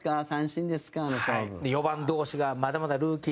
４番同士が、まだまだルーキー。